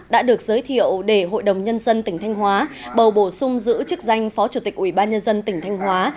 đã được giới thiệu để hội đồng nhân dân tỉnh thanh hóa bầu bổ sung giữ chức danh phó chủ tịch ủy ban nhân dân tỉnh thanh hóa